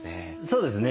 そうですね。